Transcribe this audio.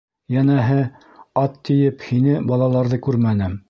Йәнәһе, ат, тиеп, һине, балаларҙы күрмәнем.